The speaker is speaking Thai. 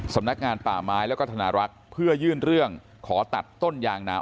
สำนักงานป่าไม้แล้วก็ธนารักษ์เพื่อยื่นเรื่องขอตัดต้นยางนา